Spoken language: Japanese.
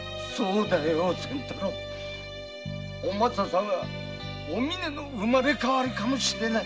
お政さんはおみねの生まれ変わりかもしれない。